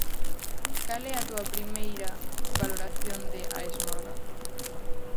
Cal é a túa primeira valoración de A esmorga?